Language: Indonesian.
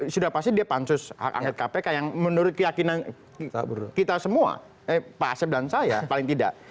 sudah pasti dia pansus hak angket kpk yang menurut keyakinan kita semua pak asep dan saya paling tidak